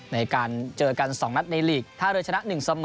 ในการเจอกัน๒นัดในลีกท่าเรือชนะ๑เสมอ